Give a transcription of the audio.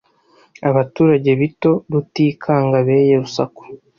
Abaturage bitoRutikanga beye urusaku.